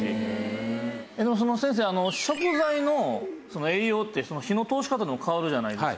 先生あの食材の栄養って火の通し方でも変わるじゃないですか。